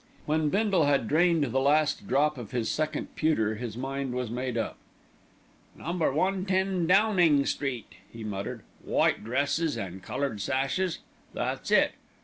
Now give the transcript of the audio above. When Bindle had drained to the last drop his second pewter, his mind was made up. "Number 110, Downing Street," he muttered. "White dresses an' coloured sashes. That's it.